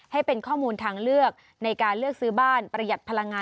ให้เป็นข้อมูลทางเลือกในการเลือกซื้อบ้าน